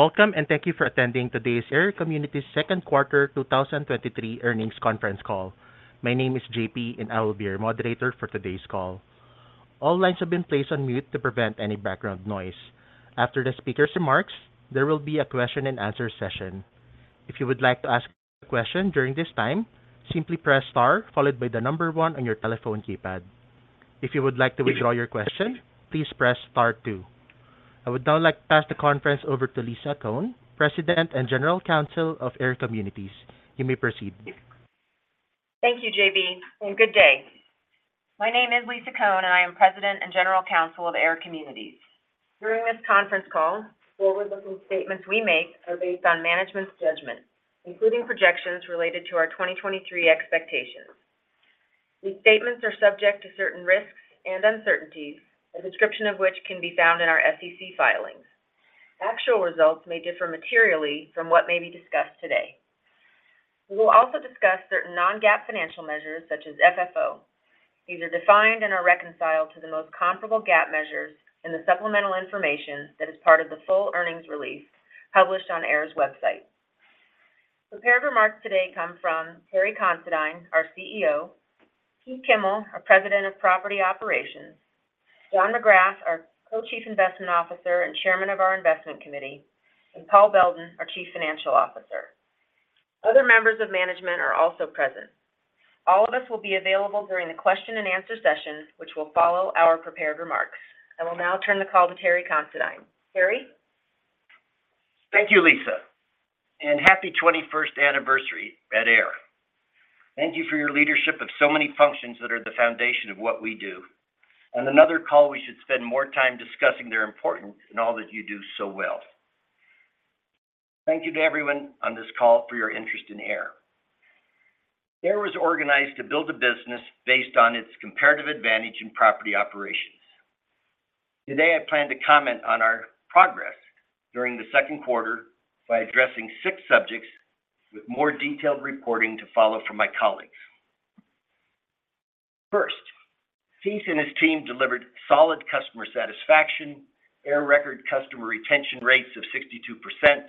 Welcome, and thank you for attending today's AIR Communities Second Quarter 2023 Earnings Conference Call. My name is J.P., and I will be your moderator for today's call. All lines have been placed on mute to prevent any background noise. After the speaker's remarks, there will be a question and answer session. If you would like to ask a question during this time, simply press star followed by the number one on your telephone keypad. If you would like to withdraw your question, please press star two. I would now like to pass the conference over to Lisa Cohn, President and General Counsel of AIR Communities. You may proceed. Thank you, J.P. Good day. My name is Lisa Cohn, and I am President and General Counsel of AIR Communities. During this conference call, forward-looking statements we make are based on management's judgment, including projections related to our 2023 expectations. These statements are subject to certain risks and uncertainties, a description of which can be found in our SEC filings. Actual results may differ materially from what may be discussed today. We will also discuss certain non-GAAP financial measures, such as FFO. These are defined and are reconciled to the most comparable GAAP measures in the supplemental information that is part of the full earnings release published on AIR's website. Prepared remarks today come from Terry Considine, our CEO; Keith Kimmel, our President of Property Operations; John McGrath, our Co-Chief Investment Officer and Chairman of our Investment Committee; and Paul Beldin, our Chief Financial Officer. Other members of management are also present. All of us will be available during the question and answer session, which will follow our prepared remarks. I will now turn the call to Terry Considine. Terry? Thank you, Lisa, and happy 21st anniversary at AIR. Thank you for your leadership of so many functions that are the foundation of what we do. On another call, we should spend more time discussing their importance in all that you do so well. Thank you to everyone on this call for your interest in AIR. AIR was organized to build a business based on its comparative advantage in property operations. Today, I plan to comment on our progress during the second quarter by addressing six subjects with more detailed reporting to follow from my colleagues. First, Keith and his team delivered solid customer satisfaction, AIR record customer retention rates of 62%,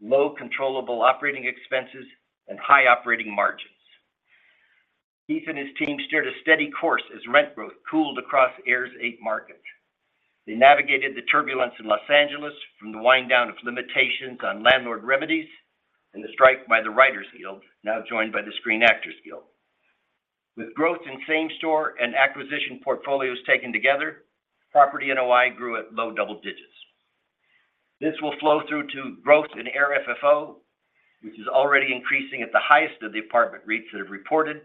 low controllable operating expenses, and high operating margins. Keith and his team steered a steady course as rent growth cooled across AIR's eight markets. They navigated the turbulence in Los Angeles from the wind down of limitations on landlord remedies and the strike by the Writers Guild, now joined by the Screen Actors Guild. With growth in same-store and acquisition portfolios taken together, property NOI grew at low double digits. This will flow through to growth in AIR FFO, which is already increasing at the highest of the apartment REITs that have reported,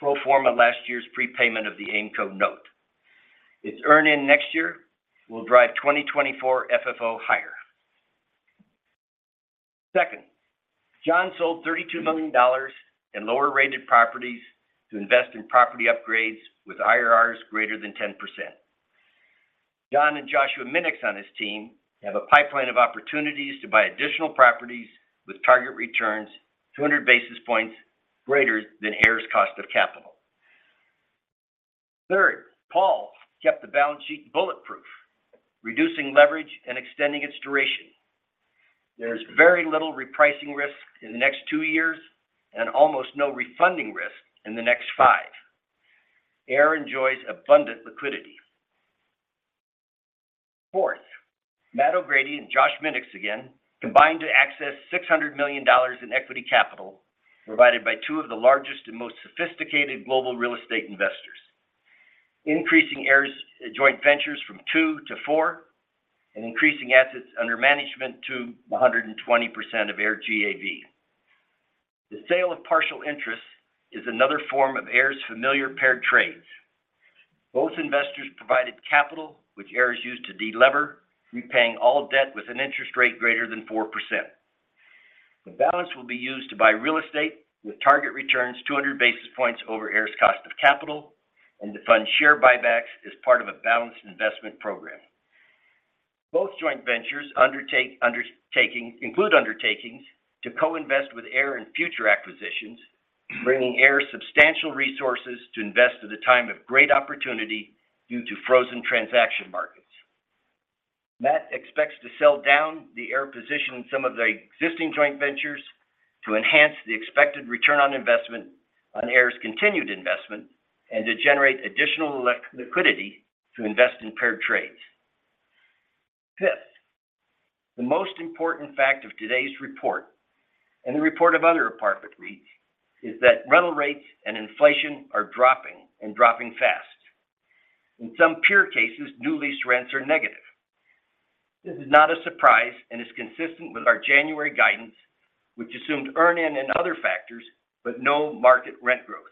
pro forma last year's prepayment of the Aimco note. Its earn-in next year will drive 2024 FFO higher. Second, John sold $32 million in lower-rated properties to invest in property upgrades with IRRs greater than 10%. John and Joshua Minix on his team have a pipeline of opportunities to buy additional properties with target returns, 200 basis points greater than AIR's cost of capital. Third, Paul kept the balance sheet bulletproof, reducing leverage and extending its duration. There's very little repricing risk in the next two years and almost no refunding risk in the next 5. AIR enjoys abundant liquidity. Fourth, Matt O'Grady and Josh Minix, again, combined to access $600 million in equity capital, provided by two of the largest and most sophisticated global real estate investors, increasing AIR's joint ventures from two to four, and increasing assets under management to 120% of AIR GAV. The sale of partial interest is another form of AIR's familiar paired trades. Both investors provided capital, which AIR has used to delever, repaying all debt with an interest rate greater than 4%. The balance will be used to buy real estate, with target returns 200 basis points over AIR's cost of capital and to fund share buybacks as part of a balanced investment program. Both joint ventures undertaking include undertakings to co-invest with AIR in future acquisitions, bringing AIR substantial resources to invest at a time of great opportunity due to frozen transaction markets. Matt expects to sell down the AIR position in some of the existing joint ventures to enhance the expected return on investment on AIR's continued investment and to generate additional liquidity to invest in paired trades. Fifth, the most important fact of today's report, and the report of other apartment REITs, is that rental rates and inflation are dropping, and dropping fast. In some pure cases, new lease rents are negative. This is not a surprise and is consistent with our January guidance, which assumed earn-in and other factors, but no market rent growth.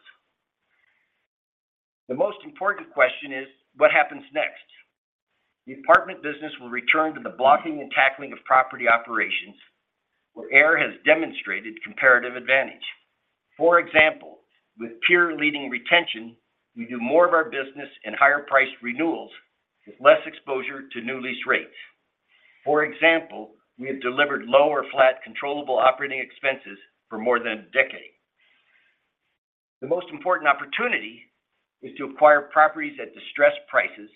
The most important question is: What happens next? The apartment business will return to the blocking and tackling of property operations, where AIR has demonstrated comparative advantage. For example, with peer-leading retention, we do more of our business and higher-priced renewals with less exposure to new lease rates. For example, we have delivered lower flat, controllable operating expenses for more than a decade.... The most important opportunity is to acquire properties at distressed prices,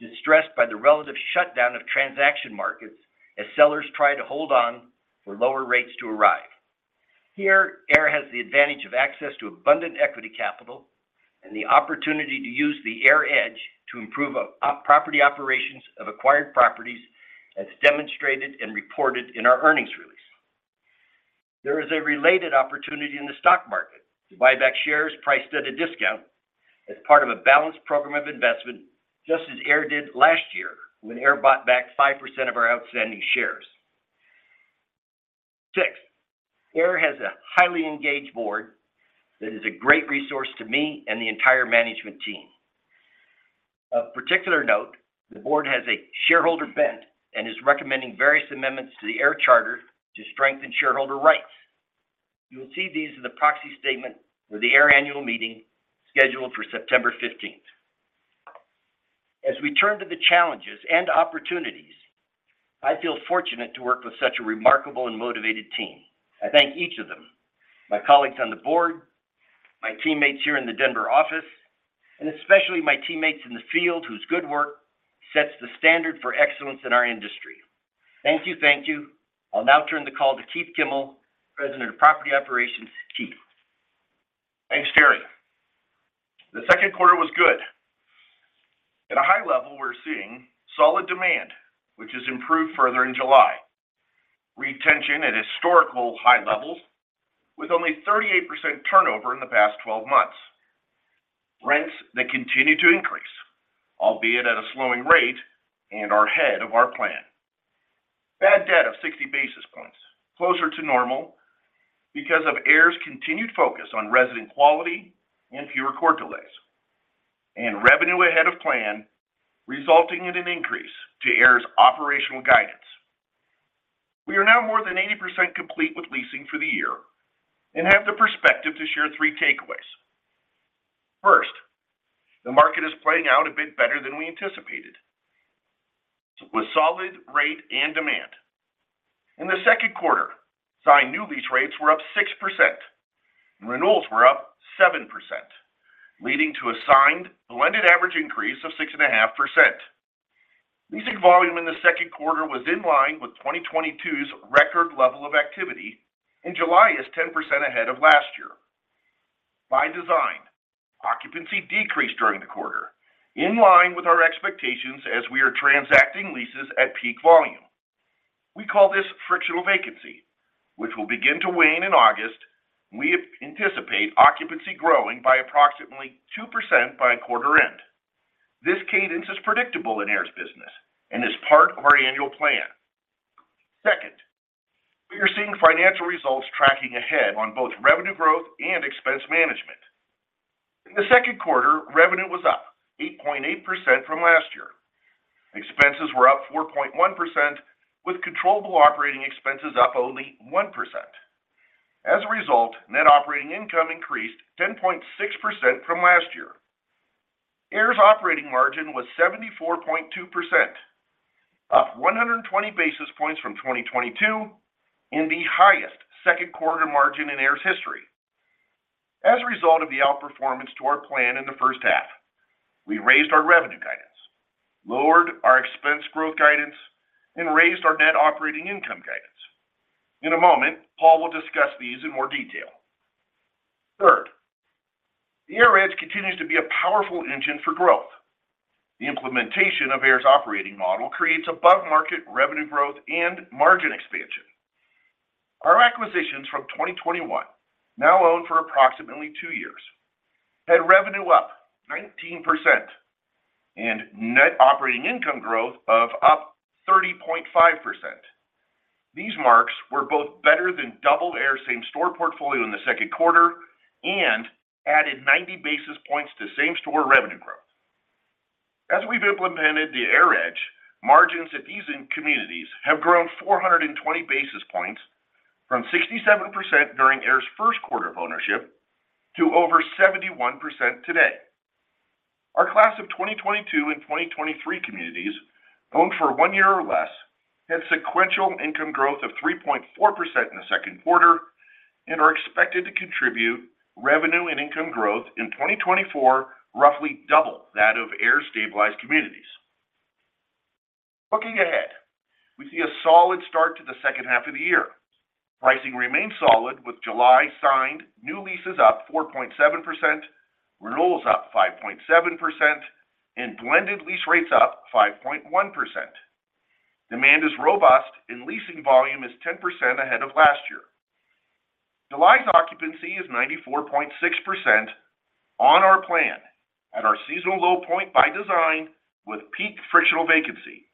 distressed by the relative shutdown of transaction markets as sellers try to hold on for lower rates to arrive. Here, AIR has the advantage of access to abundant equity capital and the opportunity to use the AIR Edge to improve property operations of acquired properties, as demonstrated and reported in our earnings release. There is a related opportunity in the stock market to buy back shares priced at a discount as part of a balanced program of investment, just as AIR did last year, when AIR bought back 5% of our outstanding shares. Six, AIR has a highly engaged board that is a great resource to me and the entire management team. Of particular note, the board has a shareholder bent and is recommending various amendments to the AIR charter to strengthen shareholder rights. You will see these in the proxy statement for the AIR Annual Meeting, scheduled for September 15th. As we turn to the challenges and opportunities, I feel fortunate to work with such a remarkable and motivated team. I thank each of them, my colleagues on the board, my teammates here in the Denver office, and especially my teammates in the field, whose good work sets the standard for excellence in our industry. Thank you. Thank you. I'll now turn the call to Keith Kimmel, President of Property Operations. Keith? Thanks, Terry. The second quarter was good. At a high level, we're seeing solid demand, which has improved further in July. Retention at historical high levels with only 38% turnover in the past 12 months. Rents that continue to increase, albeit at a slowing rate and are ahead of our plan. Bad debt of 60 basis points, closer to normal because of AIR's continued focus on resident quality and fewer court delays, and revenue ahead of plan, resulting in an increase to AIR's operational guidance. We are now more than 80% complete with leasing for the year and have the perspective to share three takeaways. First, the market is playing out a bit better than we anticipated, with solid rate and demand. In the second quarter, signed new lease rates were up 6%, and renewals were up 7%, leading to a signed blended average increase of 6.5%. Leasing volume in the second quarter was in line with 2022's record level of activity. July is 10% ahead of last year. By design, occupancy decreased during the quarter, in line with our expectations as we are transacting leases at peak volume. We call this frictional vacancy, which will begin to wane in August. We anticipate occupancy growing by approximately 2% by quarter end. This cadence is predictable in AIR's business and is part of our annual plan. Second, we are seeing financial results tracking ahead on both revenue growth and expense management. In the second quarter, revenue was up 8.8% from last year. Expenses were up 4.1%, with controllable operating expenses up only 1%. As a result, net operating income increased 10.6% from last year. AIR's operating margin was 74.2%, up 120 basis points from 2022, and the highest second quarter margin in AIR's history. As a result of the outperformance to our plan in the first half, we raised our revenue guidance, lowered our expense growth guidance, and raised our net operating income guidance. In a moment, Paul will discuss these in more detail. Third, the AIR Edge continues to be a powerful engine for growth. The implementation of AIR's operating model creates above-market revenue growth and margin expansion. Our acquisitions from 2021, now owned for approximately two years, had revenue up 19% and net operating income growth of up 30.5%. These marks were both better than double AIR same-store portfolio in the second quarter and added 90 basis points to same-store revenue growth. As we've implemented the AIR Edge, margins at these communities have grown 420 basis points from 67% during AIR's first quarter of ownership to over 71% today. Our class of 2022 and 2023 communities, owned for one year or less, had sequential income growth of 3.4% in the second quarter and are expected to contribute revenue and income growth in 2024, roughly double that of AIR-stabilized communities. Looking ahead, we see a solid start to the second half of the year. Pricing remains solid, with July signed, new leases up 4.7%, renewals up 5.7%, and blended lease rates up 5.1%. Demand is robust, and leasing volume is 10% ahead of last year. July's occupancy is 94.6% on our plan at our seasonal low point by design with peak frictional vacancy.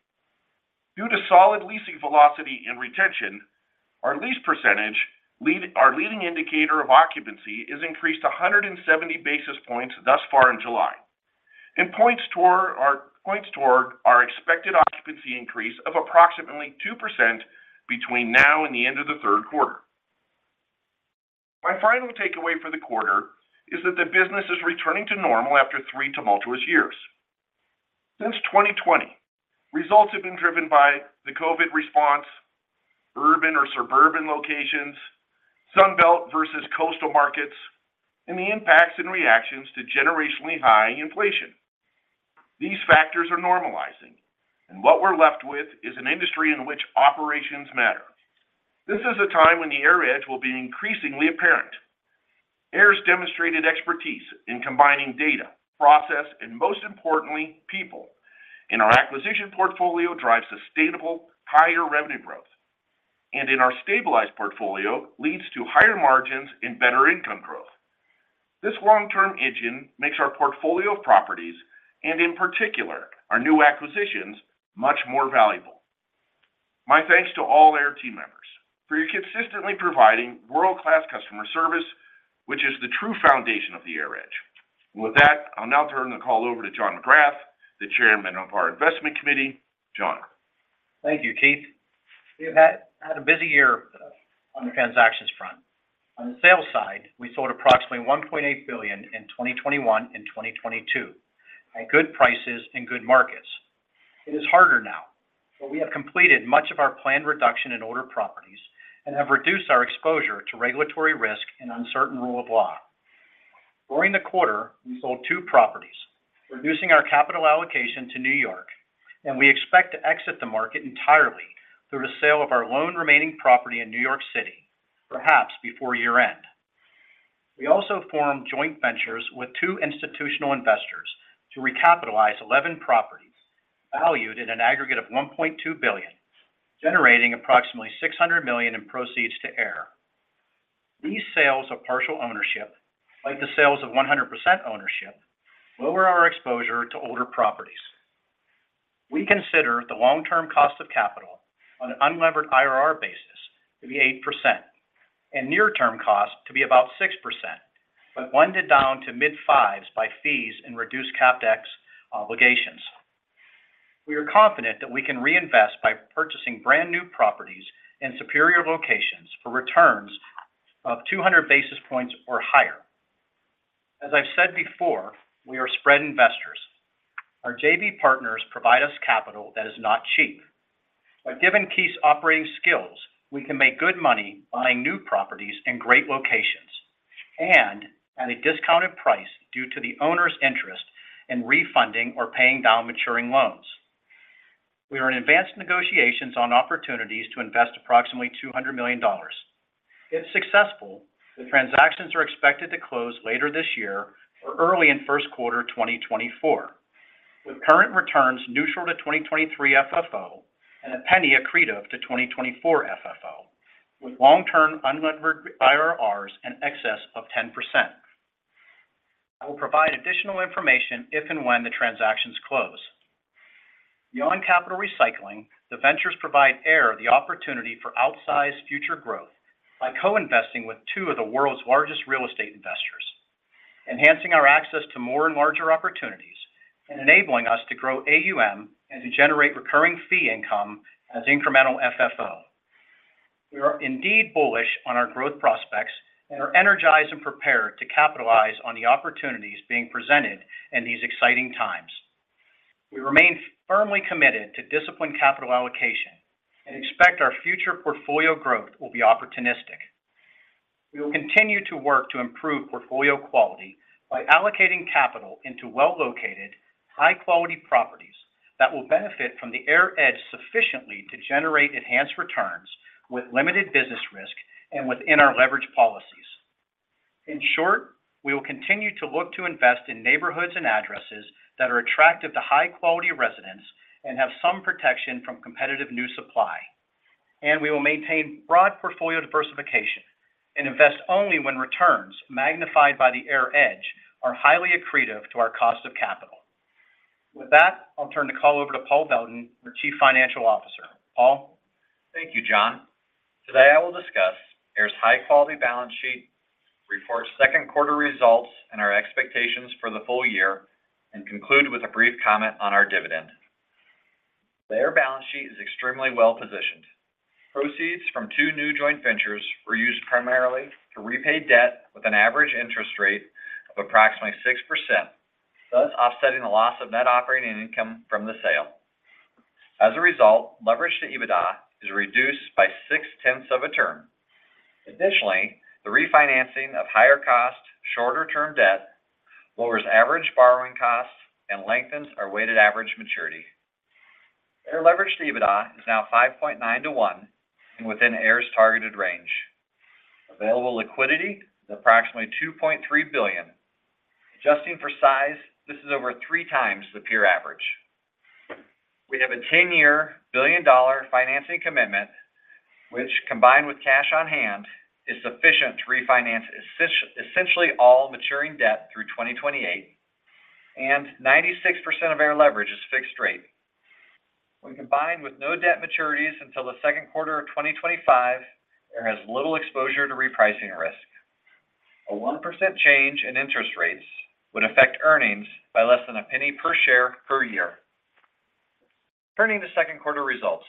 Due to solid leasing velocity and retention, our lease percentage, our leading indicator of occupancy, is increased 170 basis points thus far in July and points toward our expected occupancy increase of approximately 2% between now and the end of the third quarter. My final takeaway for the quarter is that the business is returning to normal after three tumultuous years. Since 2020, results have been driven by the COVID response, urban or suburban locations, Sun Belt versus coastal markets, and the impacts and reactions to generationally high inflation. These factors are normalizing, and what we're left with is an industry in which operations matter. This is a time when the AIR Edge will be increasingly apparent. AIR's demonstrated expertise in combining data, process, and most importantly, people, in our acquisition portfolio, drives sustainable, higher revenue growth, and in our stabilized portfolio, leads to higher margins and better income growth. This long-term engine makes our portfolio of properties, and in particular, our new acquisitions, much more valuable. My thanks to all AIR team members for your consistently providing world-class customer service, which is the true foundation of the AIR Edge. With that, I'll now turn the call over to John McGrath, the Chairman of our Investment Committee. John? Thank you, Keith. We have had a busy year on the transactions front. On the sales side, we sold approximately $1.8 billion in 2021 and 2022, at good prices and good markets. It is harder now, but we have completed much of our planned reduction in older properties and have reduced our exposure to regulatory risk and uncertain rule of law. During the quarter, we sold two properties, reducing our capital allocation to New York, and we expect to exit the market entirely through the sale of our lone remaining property in New York City, perhaps before year-end. We also formed joint ventures with two institutional investors to recapitalize 11 properties, valued at an aggregate of $1.2 billion, generating approximately $600 million in proceeds to AIR. These sales of partial ownership, like the sales of 100% ownership, lower our exposure to older properties. We consider the long-term cost of capital on an unlevered IRR basis to be 8%, and near-term cost to be about 6%, but blended down to mid-5s by fees and reduced CapEx obligations. We are confident that we can reinvest by purchasing brand-new properties in superior locations for returns of 200 basis points or higher. As I've said before, we are spread investors. Our JV partners provide us capital that is not cheap. Given Keith's operating skills, we can make good money buying new properties in great locations, and at a discounted price due to the owner's interest in refunding or paying down maturing loans. We are in advanced negotiations on opportunities to invest approximately $200 million. If successful, the transactions are expected to close later this year or early in first quarter of 2024, with current returns neutral to 2023 FFO, and $0.01 accretive to 2024 FFO, with long-term unlevered IRRs in excess of 10%. I will provide additional information if and when the transactions close. Beyond capital recycling, the ventures provide AIR the opportunity for outsized future growth by co-investing with two of the world's largest real estate investors, enhancing our access to more and larger opportunities, and enabling us to grow AUM and to generate recurring fee income as incremental FFO. We are indeed bullish on our growth prospects and are energized and prepared to capitalize on the opportunities being presented in these exciting times. We remain firmly committed to disciplined capital allocation and expect our future portfolio growth will be opportunistic. We will continue to work to improve portfolio quality by allocating capital into well-located, high-quality properties that will benefit from the AIR Edge sufficiently to generate enhanced returns with limited business risk and within our leverage policies. In short, we will continue to look to invest in neighborhoods and addresses that are attractive to high-quality residents and have some protection from competitive new supply. We will maintain broad portfolio diversification and invest only when returns, magnified by the AIR Edge, are highly accretive to our cost of capital. With that, I'll turn the call over to Paul Beldin, our Chief Financial Officer. Paul? Thank you, John. Today, I will discuss AIR's high-quality balance sheet, report second quarter results and our expectations for the full year, and conclude with a brief comment on our dividend. The AIR balance sheet is extremely well-positioned. Proceeds from two new joint ventures were used primarily to repay debt with an average interest rate of approximately 6%, thus offsetting the loss of net operating income from the sale. As a result, leverage to EBITDA is reduced by 0.6 of a term. Additionally, the refinancing of higher-cost, shorter-term debt lowers average borrowing costs and lengthens our weighted average maturity. AIR leverage to EBITDA is now 5.9 to one and within AIR's targeted range. Available liquidity is approximately $2.3 billion. Adjusting for size, this is over three times the peer average. We have a 10-year billion-dollar financing commitment, which, combined with cash on hand, is sufficient to refinance essentially all maturing debt through 2028, and 96% of our leverage is fixed rate. When combined with no debt maturities until the second quarter of 2025, AIR has little exposure to repricing risk. A 1% change in interest rates would affect earnings by less than $0.01 per share per year. Turning to second quarter results.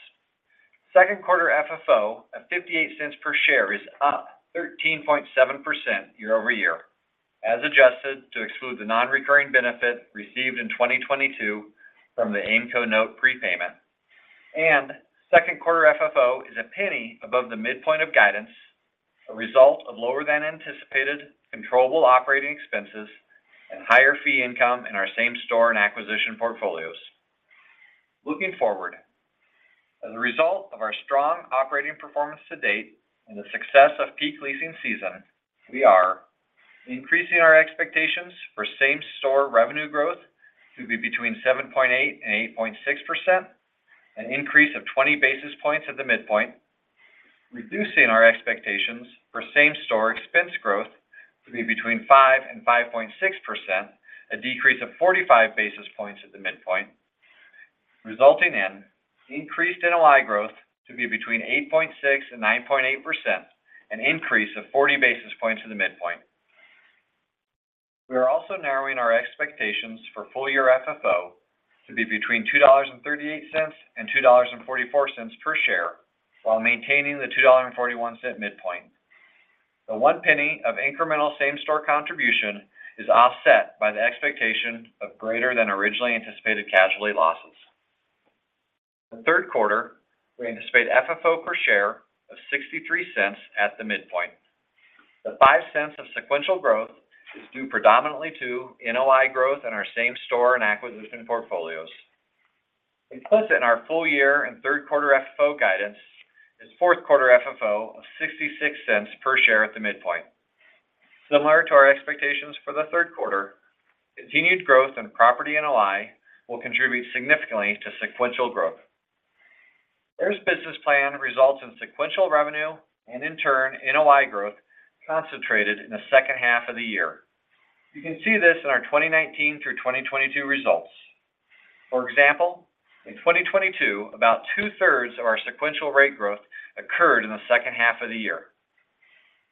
Second quarter FFO of $0.58 per share is up 13.7% year-over-year, as adjusted to exclude the nonrecurring benefit received in 2022 from the Aimco note prepayment. Second quarter FFO is $0.01 above the midpoint of guidance, a result of lower than anticipated controllable OpEx and higher fee income in our same store and acquisition portfolios. Looking forward, as a result of our strong operating performance to date and the success of peak leasing season, we are increasing our expectations for same store revenue growth to be between 7.8% and 8.6%, an increase of 20 basis points at the midpoint, reducing our expectations for same store expense growth to be between 5% and 5.6%, a decrease of 45 basis points at the midpoint, resulting in increased NOI growth to be between 8.6% and 9.8%, an increase of 40 basis points in the midpoint. We are also narrowing our expectations for full year FFO to be between $2.38 and $2.44 per share, while maintaining the $2.41 midpoint. The $0.01 of incremental same store contribution is offset by the expectation of greater than originally anticipated casualty losses. The third quarter, we anticipate FFO per share of $0.63 at the midpoint. The $0.05 of sequential growth is due predominantly to NOI growth in our same store and acquisition portfolios. Implicit in our full year and third quarter FFO guidance is fourth quarter FFO of $0.66 per share at the midpoint. Similar to our expectations for the third quarter, continued growth in property NOI will contribute significantly to sequential growth. AIR's business plan results in sequential revenue and in turn, NOI growth concentrated in the second half of the year. You can see this in our 2019 through 2022 results. For example, in 2022, about two-thirds of our sequential rate growth occurred in the second half of the year.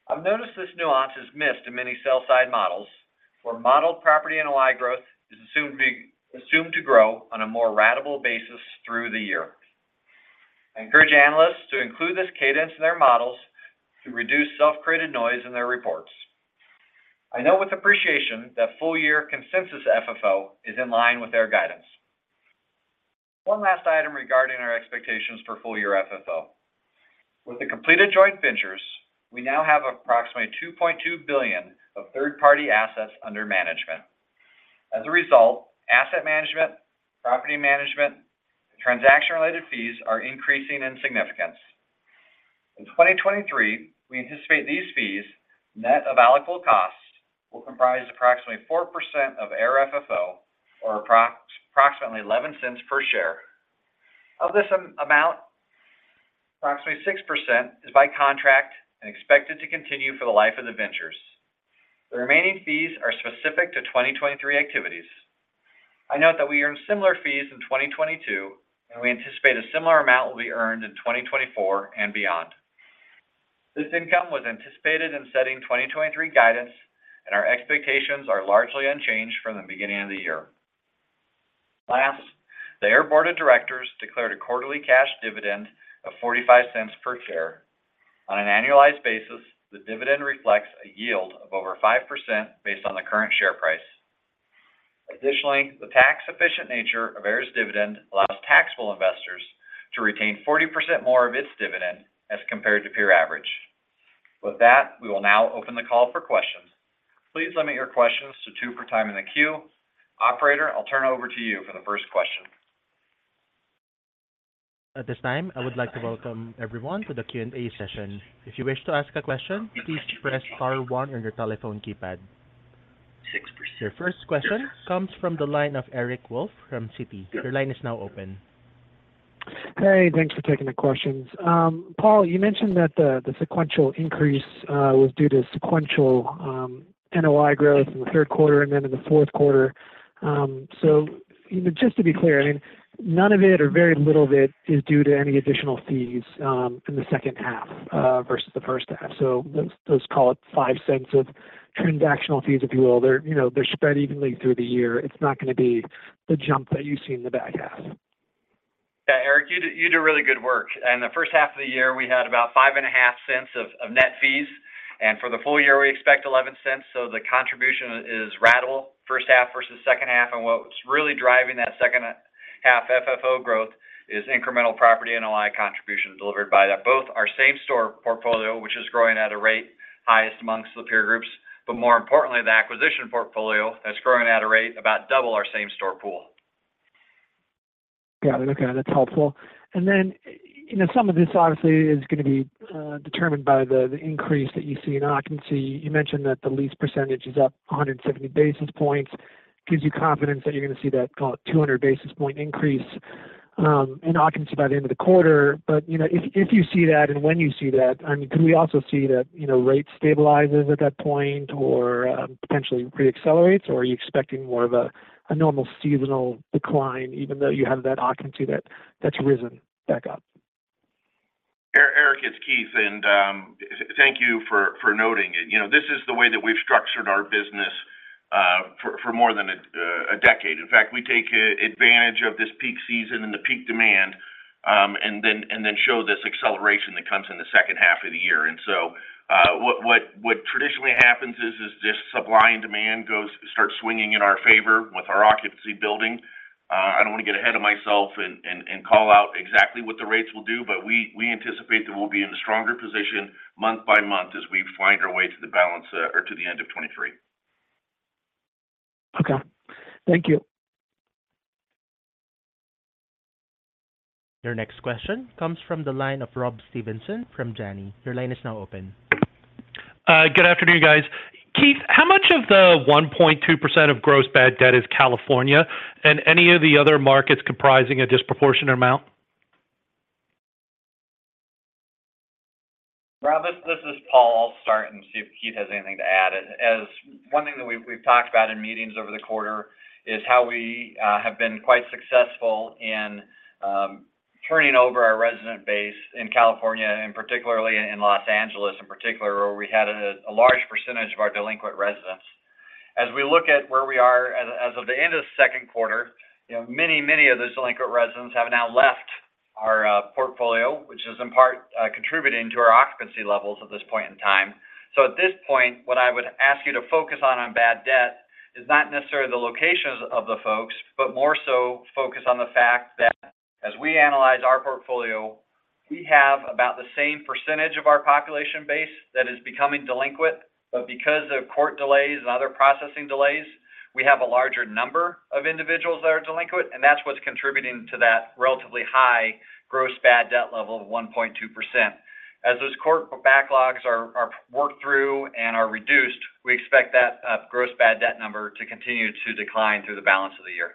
I've noticed this nuance is missed in many sell-side models, where modeled property NOI growth is assumed to grow on a more ratable basis through the year. I encourage analysts to include this cadence in their models to reduce self-created noise in their reports. I know with appreciation that full-year consensus FFO is in line with their guidance. One last item regarding our expectations for full-year FFO. With the completed joint ventures, we now have approximately $2.2 billion of third-party assets under management. As a result, asset management, property management, transaction-related fees are increasing in significance. In 2023, we anticipate these fees, net of allocable costs, will comprise approximately 4% of AIR FFO or approximately $0.11 per share. Of this amount, approximately 6% is by contract and expected to continue for the life of the ventures. The remaining fees are specific to 2023 activities. I note that we earned similar fees in 2022, and we anticipate a similar amount will be earned in 2024 and beyond. This income was anticipated in setting 2023 guidance, and our expectations are largely unchanged from the beginning of the year. Last, the AIR Board of Directors declared a quarterly cash dividend of $0.45 per share. On an annualized basis, the dividend reflects a yield of over 5% based on the current share price. Additionally, the tax-efficient nature of AIR's dividend allows taxable investors to retain 40% more of its dividend as compared to peer average. With that, we will now open the call for questions. Please limit your questions to two per time in the queue. Operator, I'll turn it over to you for the first question. At this time, I would like to welcome everyone to the Q&A session. If you wish to ask a question, please press star one on your telephone keypad. 6%. Your first question comes from the line of Eric Wolfe from Citi. Your line is now open. Hey, thanks for taking the questions. Paul, you mentioned that the sequential increase was due to sequential NOI growth in the third quarter and then in the fourth quarter. Just to be clear, I mean, none of it or very little of it is due to any additional fees in the second half versus the first half. Let's call it $0.05 of transactional fees, if you will. They're, you know, they're spread evenly through the year. It's not gonna be the jump that you see in the back half. Yeah, Eric, you do, you do really good work. In the first half of the year, we had about $0.055 of net fees, and for the full year, we expect $0.11. The contribution is ratable, first half versus second half. What's really driving that second half FFO growth is incremental property NOI contributions delivered by both our same store portfolio, which is growing at a rate highest amongst the peer groups, but more importantly, the acquisition portfolio, that's growing at a rate about double our same store pool. Yeah, okay, that's helpful. You know, some of this obviously is going to be determined by the increase that you see in occupancy. You mentioned that the lease percentage is up 170 basis points. Gives you confidence that you're going to see that, call it 200 basis point increase in occupancy by the end of the quarter. You know, if, if you see that, and when you see that, I mean, can we also see that, you know, rate stabilizes at that point or potentially reaccelerates, or are you expecting more of a normal seasonal decline, even though you have that occupancy that, that's risen back up? Eric, it's Keith, and thank you for, for noting it. You know, this is the way that we've structured our business for more than one decade. In fact, we take advantage of this peak season and the peak demand, and then, and then show this acceleration that comes in the 2nd half of the year. So, what, what, what traditionally happens is, is this supply and demand starts swinging in our favor with our occupancy building. I don't wanna get ahead of myself and, and, and call out exactly what the rates will do, but we, we anticipate that we'll be in a stronger position month by month as we find our way to the balance, or to the end of 23. Okay. Thank you. Your next question comes from the line of Rob Stevenson from Janney. Your line is now open. Good afternoon, guys. Keith, how much of the 1.2% of gross bad debt is California, and any of the other markets comprising a disproportionate amount? Rob, this is Paul. I'll start and see if Keith has anything to add. One thing that we've talked about in meetings over the quarter is how we have been quite successful in turning over our resident base in California, and particularly in Los Angeles in particular, where we had a large percentage of our delinquent residents. We look at where we are as of the end of the second quarter, you know, many, many of those delinquent residents have now left our portfolio, which is in part contributing to our occupancy levels at this point in time. At this point, what I would ask you to focus on, on bad debt is not necessarily the locations of the folks, but more so focus on the fact that as we analyze our portfolio, we have about the same percentage of our population base that is becoming delinquent, but because of court delays and other processing delays, we have a larger number of individuals that are delinquent, and that's what's contributing to that relatively high gross bad debt level of 1.2%. As those court backlogs are, are worked through and are reduced, we expect that gross bad debt number to continue to decline through the balance of the year.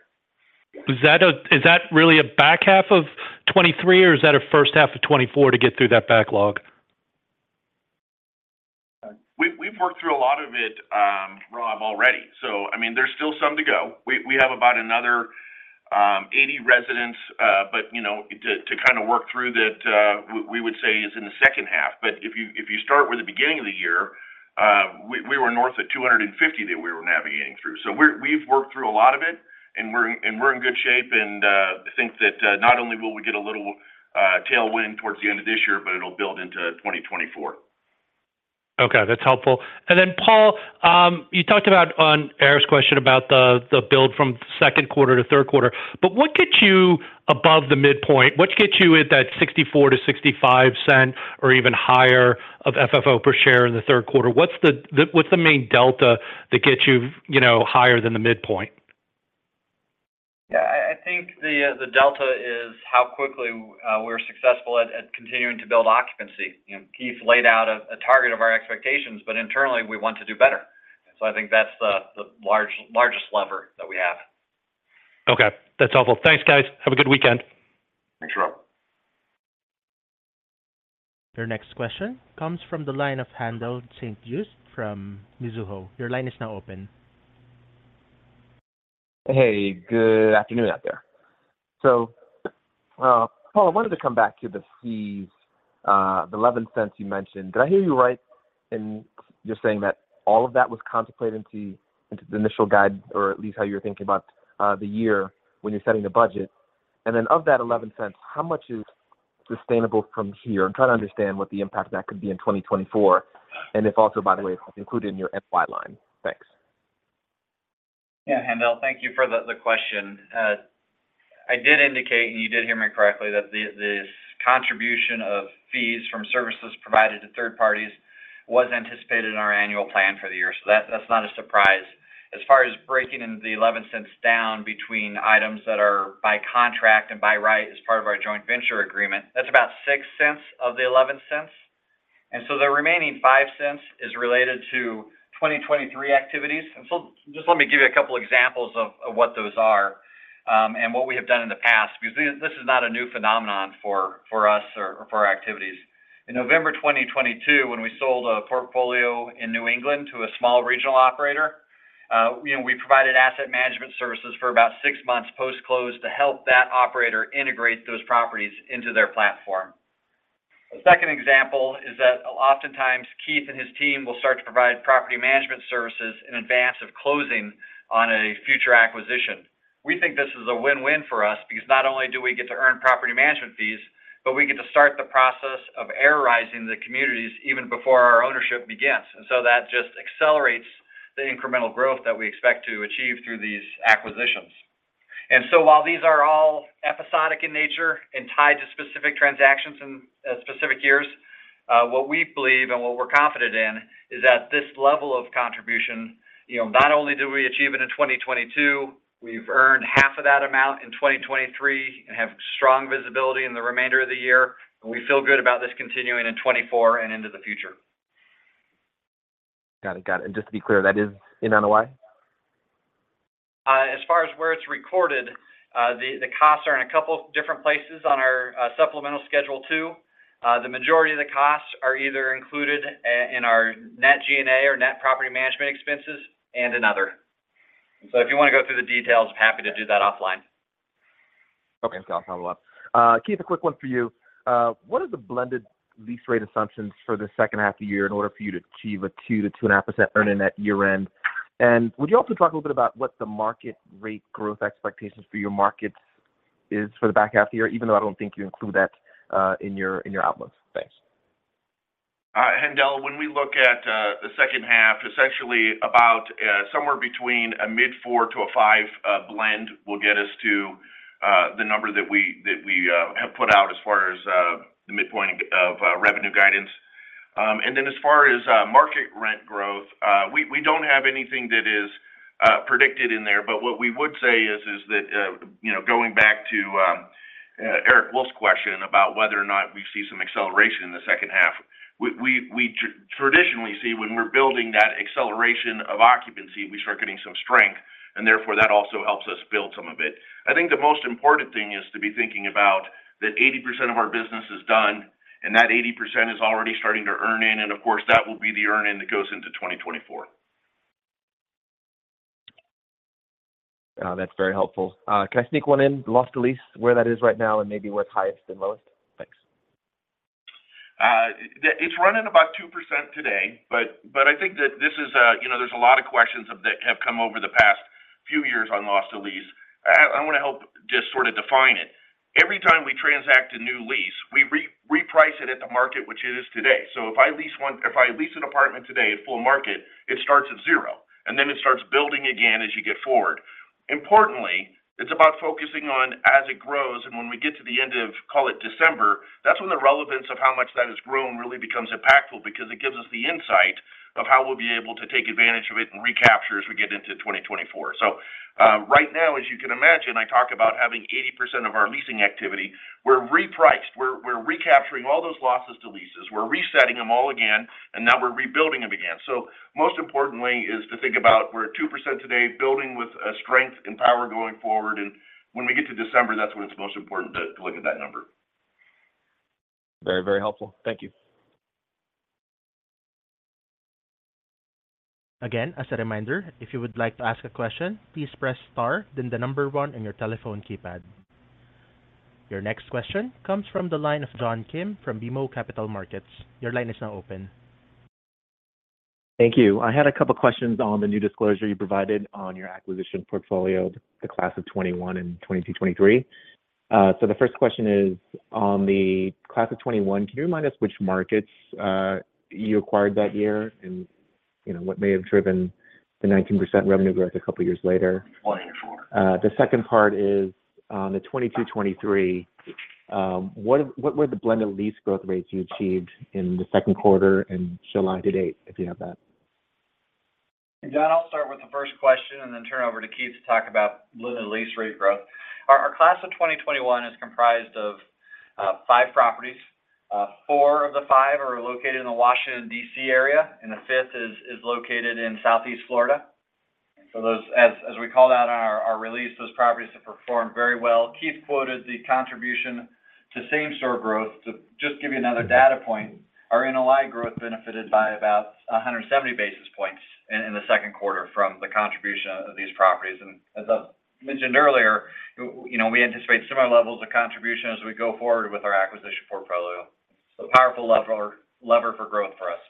Is that really a back half of 2023, or is that a first half of 2024 to get through that backlog? We've, we've worked through a lot of it, Rob, already. I mean, there's still some to go. We, we have about another 80 residents, but, you know, to, to kinda work through that, we would say is in the second half. If you, if you start with the beginning of the year, we, we were north of 250 that we were navigating through. We're-- we've worked through a lot of it, and we're, and we're in good shape, and I think that not only will we get a little tailwind towards the end of this year, but it'll build into 2024. Okay, that's helpful. Then, Paul Beldin, you talked about on Eric Wolfe's question about the build from second quarter to third quarter, but what gets you above the midpoint? What gets you at that $0.64-$0.65 or even higher of FFO per share in the third quarter? What's the main delta that gets you, you know, higher than the midpoint? Yeah, I, I think the, the delta is how quickly, we're successful at, at continuing to build occupancy. You know, Keith laid out a, a target of our expectations, but internally, we want to do better. I think that's the, the largest lever that we have. Okay. That's helpful. Thanks, guys. Have a good weekend. Thanks, Rob. Your next question comes from the line of Haendel St. Juste from Mizuho. Your line is now open. Hey, good afternoon out there. Paul, I wanted to come back to the fees, the $0.11 you mentioned. Did I hear you right in just saying that all of that was contemplated into, into the initial guide, or at least how you're thinking about, the year when you're setting the budget? Then of that $0.11, how much is sustainable from here? I'm trying to understand what the impact of that could be in 2024, and if also, by the way, included in your FY line. Thanks. Yeah, Haendel, thank you for the question. I did indicate, and you did hear me correctly, that the contribution of fees from services provided to third parties was anticipated in our annual plan for the year. That's not a surprise. As far as breaking the $0.11 down between items that are by contract and by right, as part of our joint venture agreement, that's about $0.06 of the $0.11. The remaining $0.05 is related to 2023 activities. Just let me give you a couple of examples of what those are, and what we have done in the past, because this is not a new phenomenon for us or for our activities. In November 2022, when we sold a portfolio in New England to a small regional operator, you know, we provided asset management services for about six months post-close to help that operator integrate those properties into their platform. The second example is that oftentimes, Keith and his team will start to provide property management services in advance of closing on a future acquisition. We think this is a win-win for us because not only do we get to earn property management fees, but we get to start the process of AIR-izing the communities even before our ownership begins. That just accelerates the incremental growth that we expect to achieve through these acquisitions. While these are all episodic in nature and tied to specific transactions in specific years, what we believe and what we're confident in, is that this level of contribution, you know, not only did we achieve it in 2022, we've earned half of that amount in 2023 and have strong visibility in the remainder of the year. We feel good about this continuing in 2024 and into the future. Got it. Got it. Just to be clear, that is in NOI? As far as where it's recorded, the, the costs are in a couple of different places on our supplemental Schedule 2. The majority of the costs are either included in our net G&A or net property management expenses and another. If you want to go through the details, I'm happy to do that offline. Okay, I'll follow up. Keith, a quick one for you. What are the blended lease rate assumptions for the second half of the year in order for you to achieve a 2-2.5% earn-in at year-end? Would you also talk a little bit about what the market rate growth expectations for your markets is for the back half of the year, even though I don't think you include that in your, in your outlook? Thanks. Haendel, when we look at the second half, essentially about somewhere between a mid four to a five blend will get us to the number that we, that we have put out as far as the midpoint of revenue guidance. Then as far as market rent growth, we don't have anything that is predicted in there, but what we would say is, is that, you know, going back to Eric Wolfe's question about whether or not we see some acceleration in the second half, we traditionally see when we're building that acceleration of occupancy, we start getting some strength, and therefore, that also helps us build some of it. I think the most important thing is to be thinking about that 80% of our business is done, and that 80% is already starting to earn-in, and of course, that will be the earn-in that goes into 2024. That's very helpful. Can I sneak one in? Loss to lease, where that is right now and maybe what's highest and lowest? Thanks. It's running about 2% today, but I think that this is, you know, there's a lot of questions that have come over the past few years on loss to lease. I wanna help just sort of define it. Every time we transact a new lease, we reprice it at the market, which it is today. If I lease an apartment today at full market, it starts at 0, and then it starts building again as you get forward. Importantly, it's about focusing on as it grows, and when we get to the end of, call it December, that's when the relevance of how much that has grown really becomes impactful because it gives us the insight of how we'll be able to take advantage of it and recapture as we get into 2024. Right now, as you can imagine, I talk about having 80% of our leasing activity. We're repriced, we're, we're recapturing all those losses to leases, we're resetting them all again, and now we're rebuilding them again. Most importantly, is to think about we're at 2% today, building with strength and power going forward, and when we get to December, that's when it's most important to, to look at that number. Very, very helpful. Thank you. Again, as a reminder, if you would like to ask a question, please press star, then the number one on your telephone keypad. Your next question comes from the line of John Kim from BMO Capital Markets. Your line is now open. Thank you. I had a couple of questions on the new disclosure you provided on your acquisition portfolio, the Class of 21 and 22, 23. The first question is on the class of 21, can you remind us which markets you acquired that year and, you know, what may have driven the 19% revenue growth a couple of years later? Sure. The second part is on the 2022, 2023, what were the blended lease growth rates you achieved in the second quarter and July to date, if you have that? John, I'll start with the first question and then turn over to Keith to talk about blended lease rate growth. Our, our class of 2021 is comprised of five properties. Four of the five are located in the Washington, D.C. area, and the fifth is, is located in Southeast Florida. Those, as, as we called out on our, our release, those properties have performed very well. Keith quoted the contribution to same store growth. To just give you another data point, our NOI growth benefited by about 170 basis points in, in the 2Q from the contribution of these properties. As I mentioned earlier, you know, we anticipate similar levels of contribution as we go forward with our acquisition portfolio. Powerful lever, lever for growth for us.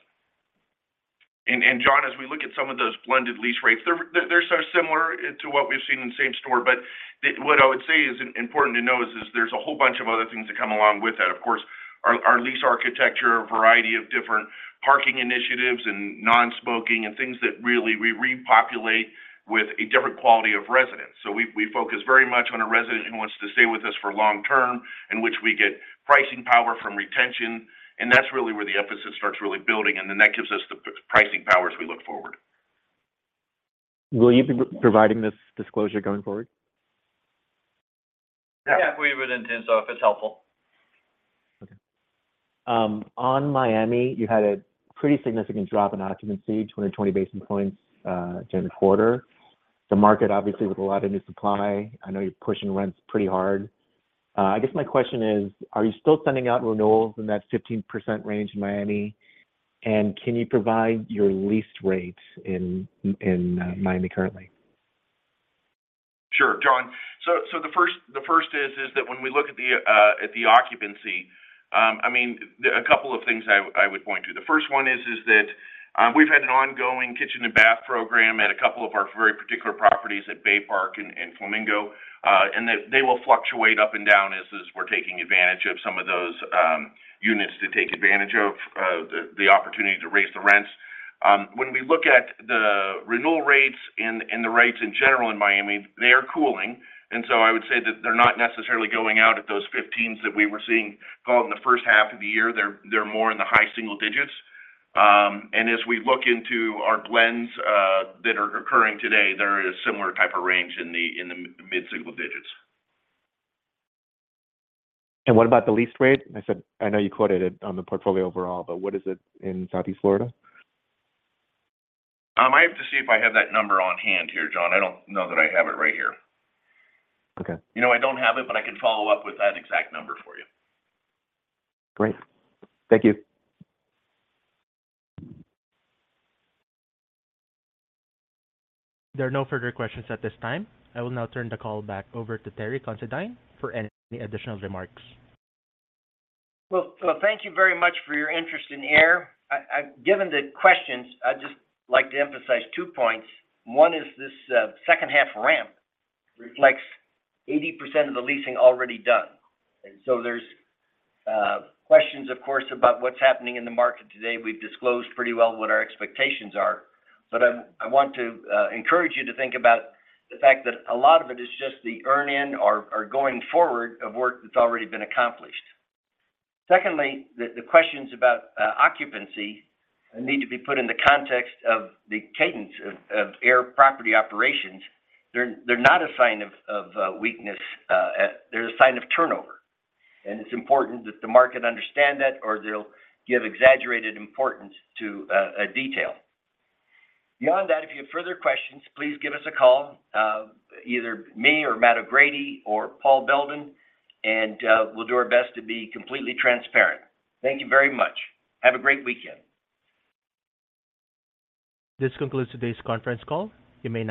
John, as we look at some of those blended lease rates, they're so similar to what we've seen in same store, but what I would say is important to know is, is there's a whole bunch of other things that come along with that. Of course, our lease architecture, a variety of different parking initiatives and non-smoking, and things that really we repopulate with a different quality of residents. We focus very much on a resident who wants to stay with us for long term, in which we get pricing power from retention, and that's really where the emphasis starts really building, and then that gives us the pricing power as we look forward. Will you be providing this disclosure going forward? Yeah, we would intend so if it's helpful. Okay. On Miami, you had a pretty significant drop in occupancy, 220 basis points during the quarter. The market, obviously, with a lot of new supply, I know you're pushing rents pretty hard. I guess my question is, are you still sending out renewals in that 15% range in Miami? Can you provide your lease rates in, in Miami currently? Sure, John. The first, the first is, is that when we look at the at the occupancy, I mean, there are couple of things I would point to. The first one is, is that we've had an ongoing kitchen and bath program at a couple of our very particular properties at Bay Parc and Flamingo, and that they will fluctuate up and down as we're taking advantage of some of those units to take advantage of the opportunity to raise the rents. When we look at the renewal rates and the rates in general in Miami, they are cooling. I would say that they're not necessarily going out at those 15s that we were seeing call it in the first half of the year. They're, they're more in the high single digits. As we look into our blends, that are occurring today, there is a similar type of range in the, in the mid-single digits. What about the lease rate? I know you quoted it on the portfolio overall, but what is it in Southeast Florida? I have to see if I have that number on hand here, John. I don't know that I have it right here. Okay. You know, I don't have it, but I can follow up with that exact number for you. Great. Thank you. There are no further questions at this time. I will now turn the call back over to Terry Considine for any additional remarks. Well, thank you very much for your interest in AIR. I, given the questions, I'd just like to emphasize two points. One is this second-half ramp reflects 80% of the leasing already done. So there's questions, of course, about what's happening in the market today. We've disclosed pretty well what our expectations are, but I want to encourage you to think about the fact that a lot of it is just the earn-in or, or going forward of work that's already been accomplished. Secondly, the questions about occupancy need to be put in the context of the cadence of AIR property operations. They're not a sign of weakness, they're a sign of turnover, and it's important that the market understand that, or they'll give exaggerated importance to a detail. Beyond that, if you have further questions, please give us a call, either me or Matt O'Grady or Paul Beldin, and we'll do our best to be completely transparent. Thank you very much. Have a great weekend. This concludes today's conference call. You may disconnect.